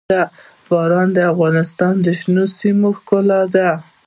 باران د افغانستان د شنو سیمو ښکلا ده.